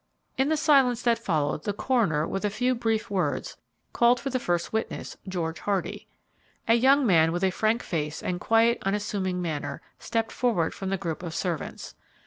In the silence that followed, the coroner, with a few brief words, called for the first witness, George Hardy. A young man, with a frank face and quiet, unassuming manner, stepped forward from the group of servants.